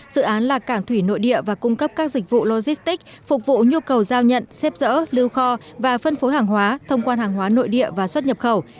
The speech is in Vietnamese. dự án là cảng thủy nội địa và cung cấp các dịch vụ logistic phục vụ nhu cầu giao nhận xếp dỡ lưu kho và phân phối hàng hóa thông quan hàng hóa nội địa và xuất nhập khẩu